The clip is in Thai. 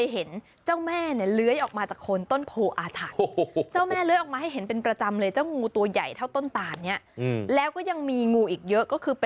เหล่างูบริวารตัวเล็กเล็กอ่ะอาศัยอยู่ด้วยอืม